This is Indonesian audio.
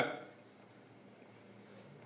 kejadiannya sudah berada di wamenan